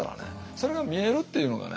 それが見えるっていうのがね